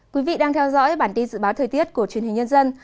quý vị đang theo dõi bản tin dự báo thời tiết của truyền hình nhân dân